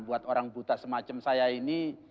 buat orang buta semacam saya ini